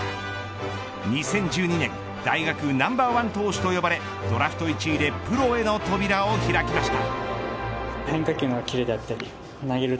２０１２年大学ナンバーワン投手と呼ばれドラフト１位でプロへの扉を開きました。